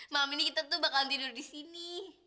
malam ini kita tuh bakal tidur di sini